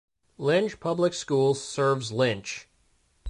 Lynch Public Schools serves Lynch.